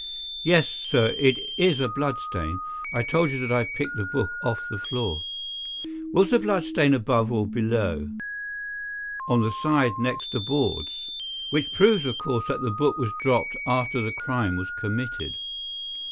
"Yes, sir, it is a blood stain. I told you that I picked the book off the floor." "Was the blood stain above or below?" "On the side next the boards." "Which proves, of course, that the book was dropped after the crime was committed."